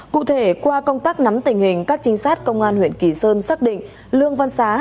cụ thể qua công tác nắm tình hình các trinh sát công an huyện kỳ sơn xác định lương văn xá